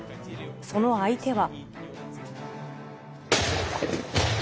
その相手は。